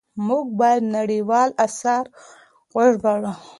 موږ بايد نړيوال آثار وژباړو.